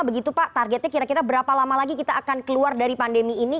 begitu pak targetnya kira kira berapa lama lagi kita akan keluar dari pandemi ini